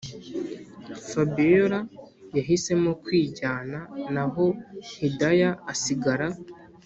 fabiora yahisemo kwijyana, naho hidaya asigara